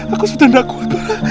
aku sudah tidak kuat bara